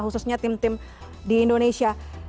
khususnya tim tim di indonesia